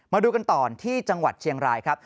มาดูกันต่อที่จังหวัดเชียงรายครับ